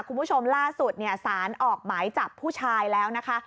คุณผู้ชมล่าสุดเนี่ยสารออกหมายจับผู้ชายแล้วนะคะ